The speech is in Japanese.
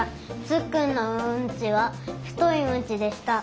つっくんのうんちはふというんちでした。